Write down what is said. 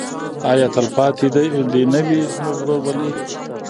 آیا تلپاتې دې نه وي زموږ ورورولي؟